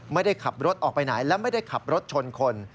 ไม่ได้ขับรถออกไปไหนและไม่ได้ขับรถชนคน